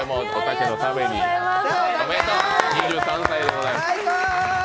２３歳でございます。